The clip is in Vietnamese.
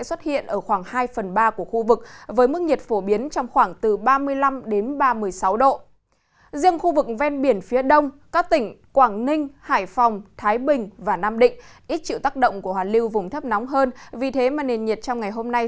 xin chào và hẹn gặp lại